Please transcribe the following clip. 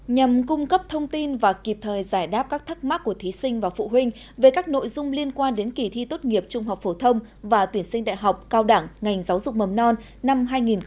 nhằm cung cấp thông tin và kịp thời giải đáp các thắc mắc của thí sinh và phụ huynh về các nội dung liên quan đến kỳ thi tốt nghiệp trung học phổ thông và tuyển sinh đại học cao đẳng ngành giáo dục mầm non năm hai nghìn hai mươi